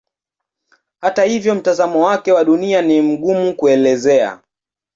Hata hivyo mtazamo wake wa Dunia ni mgumu kuelezea.